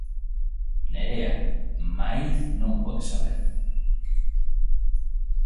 Nerea, Maiz non pode sabelo.